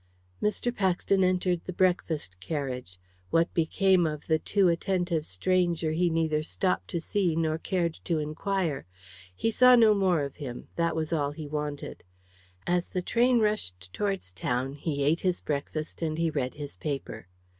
Mr. Paxton entered the breakfast carriage. What became of the too attentive stranger he neither stopped to see nor cared to inquire. He saw no more of him; that was all he wanted. As the train rushed towards town he ate his breakfast and he read his paper.